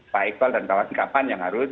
pak iqbal dan kawan kapan yang harus